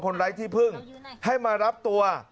ไร้ที่พึ่งให้มารับตัว